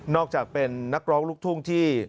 อกจากเป็นนักร้องลูกทุ่งที่